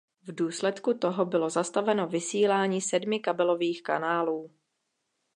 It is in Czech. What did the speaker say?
V důsledku toho bylo zastaveno vysílání sedmi kabelových kanálů.